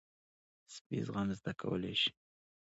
سپي زغم زده کولی شي.